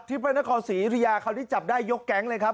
ที่พระนครศรีภิยาเขาที่จับได้ยกแก๊งเลยครับ